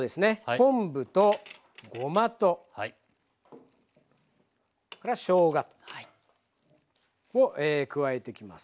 昆布とごまとしょうがを加えてきます。